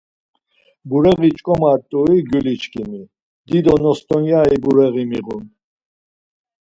Bureği ç̌ǩomat̆ui gyuliçkimi, dido nostoneri bureği miğun.